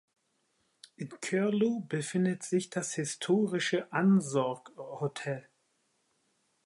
In Curlew befindet sich das historische Ansorge Hotel.